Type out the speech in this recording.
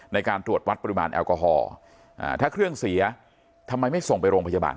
ในการตรวจวัดปริมาณแอลกอฮอล์ถ้าเครื่องเสียทำไมไม่ส่งไปโรงพยาบาล